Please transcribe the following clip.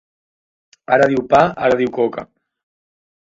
Ara diu pa, ara diu coca.